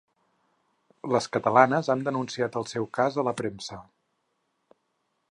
Les catalanes han denunciat el seu cas a la premsa